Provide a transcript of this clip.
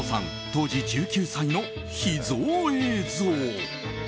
当時１９歳の秘蔵映像。